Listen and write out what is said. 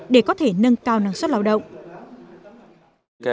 để có thể nâng cao năng suất lao động